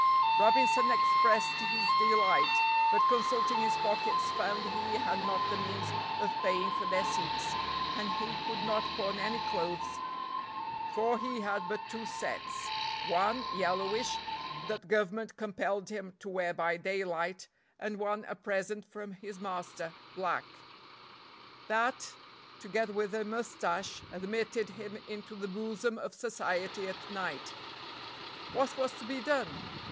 Robinson expressed his delight, but consulting his pockets found he had not the means of paying for their seats, and he could not pawn any clothes, for he had but two sets. One (yellowish) that government compelled him to wear by daylight, and one a present from his master (black). That, together with a mustache, admitted him into the bosom of society at night. What was to be done?